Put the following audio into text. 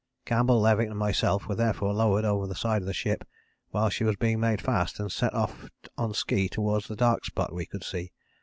Campbell, Levick, and myself were therefore lowered over the side of the ship while she was being made fast, and set off on ski towards the dark spot we could see.